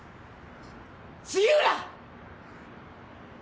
杉浦！